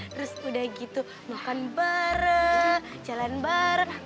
terus udah gitu makan bareng jalan bar